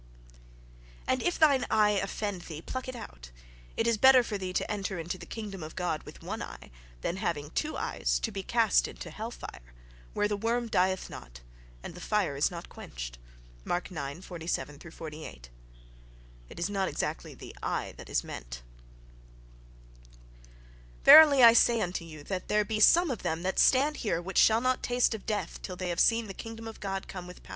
"And if thine eye offend thee, pluck it out: it is better for thee to enter into the kingdom of God with one eye, than having two eyes to be cast into hell fire; Where the worm dieth not, and the fire is not quenched." (Mark ix, 47.)—It is not exactly the eye that is meant.... To which, without mentioning it, Nietzsche adds verse 48. "Verily I say unto you, That there be some of them that stand here, which shall not taste of death, till they have seen the kingdom of God come with power."